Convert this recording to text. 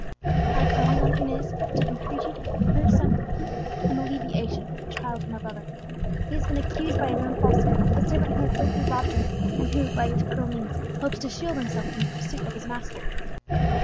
"I come, Donna Antonia, to entreat you to procure some some alleviation for the trials of my brother. He has been accused by his own false servant, a servant who has lately robbed him, and who, by this cruel means, hopes to shield himself from the pursuit of his master."